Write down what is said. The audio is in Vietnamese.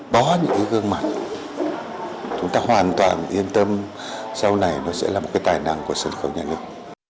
có những cái gương mặt chúng ta hoàn toàn yên tâm sau này nó sẽ là một cái tài năng của sân khấu nhà nước